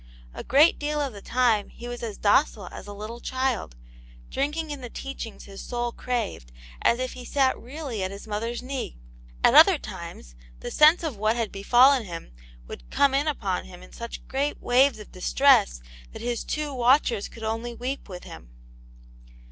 A great deal of the time he was as docile as a little child, drinking in the teachings his soul craved as if be sat really at his mother's knee ; at other times Aunt Jane's Hero. 43 the sense of what had befallen him would come in upon him in such great waves of distress that his two watchers could only weep with him.